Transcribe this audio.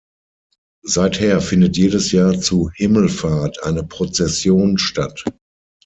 Seither findet jedes Jahr zu Himmelfahrt eine Prozession statt.